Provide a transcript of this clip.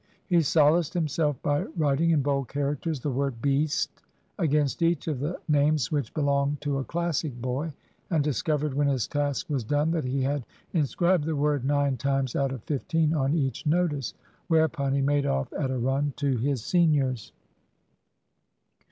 He solaced himself by writing in bold characters the word "beast" against each of the names which belonged to a Classic boy, and discovered, when his task was done, that he had inscribed the word nine times out of fifteen on each notice. Whereupon he made off at a run to his senior's.